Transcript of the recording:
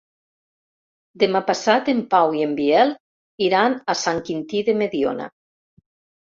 Demà passat en Pau i en Biel iran a Sant Quintí de Mediona.